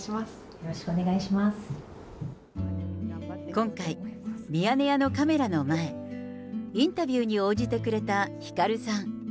今回、ミヤネ屋のカメラの前、インタビューに応じてくれたひかるさん。